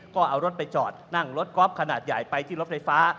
ก็เอารถไปจอดนั่งรถกอล์ฟขนาดใหญ่ไปที่รถไฟฟ้า